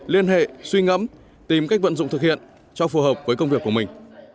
liên hệ suy ngẫm tìm cách vận dụng thực hiện cho phù hợp với công việc của mình